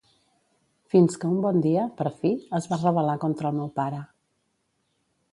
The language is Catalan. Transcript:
Fins que un bon dia, per fi, es va rebel·lar contra el meu pare.